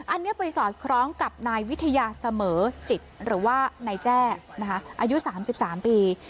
อันนี้ไปสอดคล้องกับนายวิทยาเสมอจิตหรือว่านายแจ้อายุ๓๓ปี